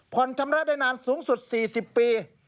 ชำระได้นานสูงสุด๔๐ปี